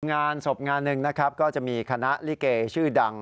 งานศพงานหนึ่งนะครับก็จะมีคณะลิเกชื่อดัง